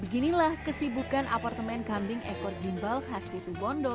beginilah kesibukan apartemen kambing ekor gimbal khas situbondo